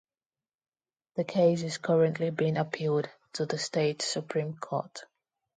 The case is currently being appealed to the state supreme court.